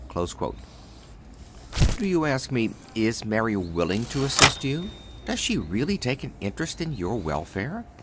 (264) Do you ask me, is Mary willing to assist you? Does she really take an interest in your welfare?